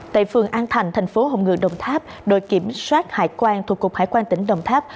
tại phường an thành tp hồng ngự đồng tháp đội kiểm soát hải quan thuộc cục hải quan tỉnh đồng tháp